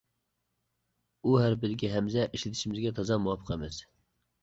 «ئۇ» ھەرپىدىكى ھەمزە ئىشلىتىشىمىزگە تازا مۇۋاپىق ئەمەس.